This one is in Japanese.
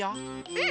うん。